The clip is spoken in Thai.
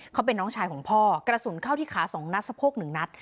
เขาเป็นน้องชายของพ่อกระสุนเข้าที่ขา๒นัดสะโพก๑นัด